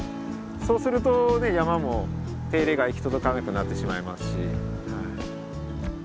そうすると山も手入れが行き届かなくなってしまいますし。